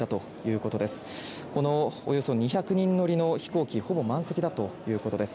このおよそ２００人乗りの飛行機、ほぼ満席だということです。